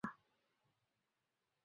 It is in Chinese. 成泰帝追授勤政殿大学士。